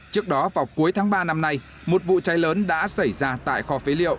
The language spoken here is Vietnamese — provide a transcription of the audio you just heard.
trước đó vào cuối tháng ba năm nay một vụ cháy lớn đã xảy ra tại kho phế liệu